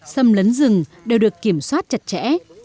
xâm lấn rừng đều được kiểm soát chặt chẽ